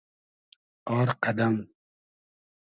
آر قئدئم